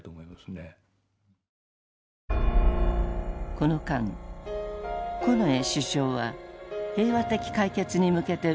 この間近衛首相は平和的解決に向けて動いていた。